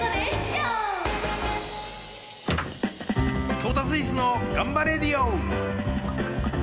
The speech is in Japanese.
「トータスイスのがんばレディオ！」。